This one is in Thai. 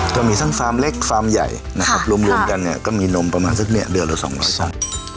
จะมีทั้งฟาร์มเล็กฟาร์มใหญ่นะครับรวมกันเนี่ยก็มีนมประมาณสักเนี่ยเดือนละสองร้อยสัตว์